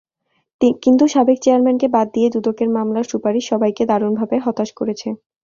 কিন্তু সাবেক চেয়ারম্যানকে বাদ দিয়ে দুদকের মামলার সুপারিশ সবাইকে দারুণভাবে হতাশ করেছে।